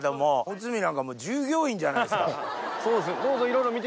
内海なんかもう従業員じゃないですか。